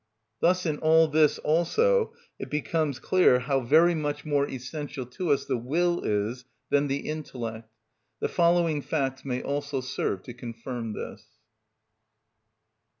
Thus in all this also it becomes clear how very much more essential to us the will is than the intellect. The following facts may also serve to confirm this.